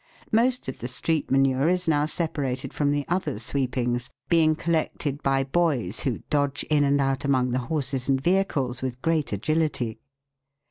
Most of the street manure is now separated from the other sweepings, being collected by boys who dodge in and out among the horses and vehicles with great agility.